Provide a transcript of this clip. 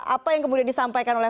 apa yang kemudian disampaikan oleh